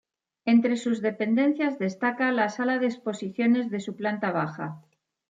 Entre sus dependencias destaca la sala de exposiciones de su planta baja.